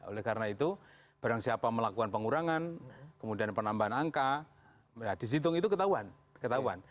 oleh karena itu barang siapa melakukan pengurangan kemudian penambahan angka di situng itu ketahuan